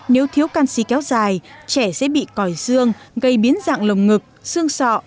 nếu thiếu canxi kéo dài trẻ sẽ bị còi xương gây biến dạng lồng ngực xương sọ